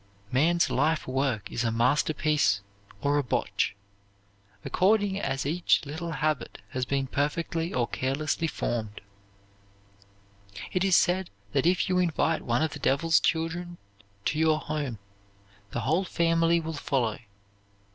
Man's life work is a masterpiece or a botch, according as each little habit has been perfectly or carelessly formed. It is said that if you invite one of the devil's children to your home the whole family will follow.